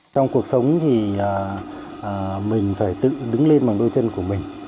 trong cuộc sống thì mình phải tự đứng lên bằng đôi chân của mình